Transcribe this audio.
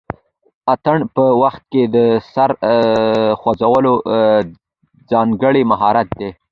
د اتن په وخت کې د سر خوځول ځانګړی مهارت دی.